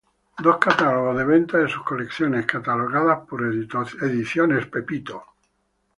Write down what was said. Dos catálogos de venta de sus colecciones, catalogadas por Ed.